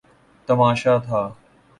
تماشا تھا۔